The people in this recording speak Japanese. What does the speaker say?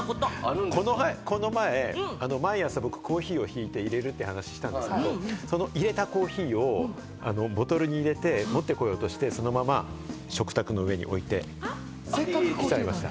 この前、毎朝、僕はコーヒーをひいて入れるって話をしたんですけど、いれたコーヒーをボトルに入れて持ってこようとして、そのまま食卓の上に置いて来ちゃいました。